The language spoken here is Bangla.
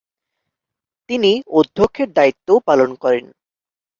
তিনি অধ্যক্ষের দায়িত্বও পালন করেন।